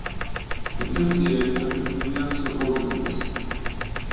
ეკლესია ერთსაფეხურიან ცოკოლზე დგას.